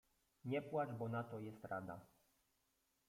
— Nie płacz, bo na to jest rada.